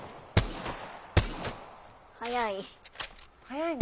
早い。